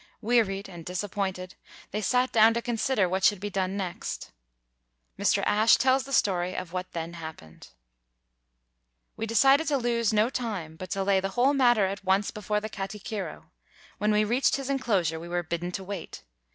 Wearied and disappointed, they sat down to consider what should be done next. Mr. Ashe tells the story of what then happened: "We decided to lose no time, but to lay the whole matter at once before the kati kiro. When we reached his enclosure, we were bidden to wait.